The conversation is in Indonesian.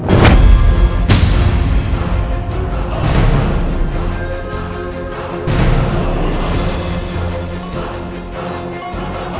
jangan di ganggu